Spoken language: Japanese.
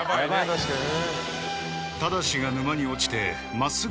確かにね。